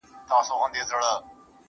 ګرفتار دي په غمزه یمه له وخته,